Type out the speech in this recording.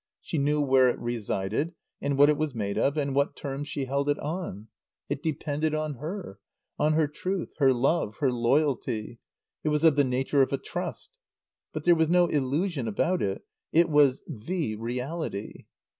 She knew where it resided, and what it was made of, and what terms she held it on. It depended on her; on her truth, her love, her loyalty; it was of the nature of a trust. But there was no illusion about it. It was the reality.